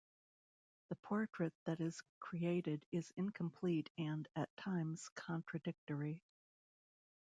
The portrait that is created is incomplete and, at times, contradictory.